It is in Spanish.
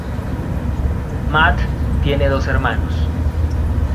Matt tiene dos hermanos.